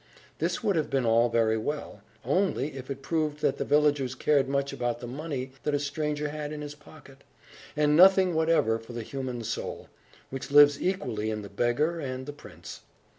This would have been all very well, only it proved that the villagers cared much about the money that a stranger had in his pocket, and nothing whatever for the human soul, which lives equally in the beggar and the prince.